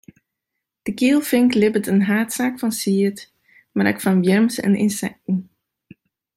De gielfink libbet yn haadsaak fan sied, mar ek fan wjirms en ynsekten.